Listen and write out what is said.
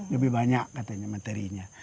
lebih banyak katanya materinya